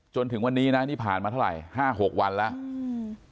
จนถึงวันนี้นี่ผ่านมาเท่าไหร่๕๖วันแล้ว